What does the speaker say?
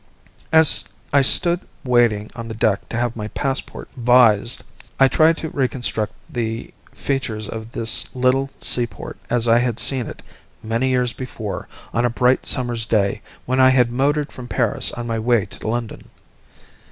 As I stood waiting on the deck to have my passport vised, I tried to reconstruct the features of this little seaport as I had seen it, many years before, on a bright summer's day when I had motored from Paris on my way to London.